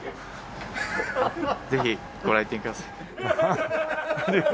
ぜひご来店ください。